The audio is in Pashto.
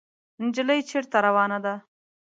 انجلۍ چېرته روانه ده ؟